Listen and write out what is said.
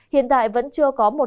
hiện tại vẫn chưa có một hình thức